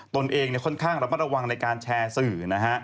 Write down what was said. ตนเองเนี่ยค่อนข้างรับประวังในการแชร์สื่อนะฮะ